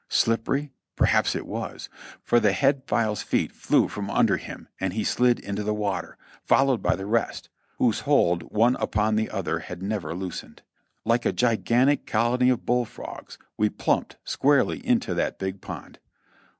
Slippery? perhaps it was! for the head file's feet flew from under him and he slid into the water, followed by the rest, whose hold one upon the other had never loosened. Like a gigantic colony of bullfrogs we plumped squarely into that big pond.